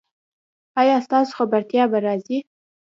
ایا ستاسو خبرتیا به راځي؟